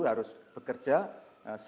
lima hari itu adalah mengacu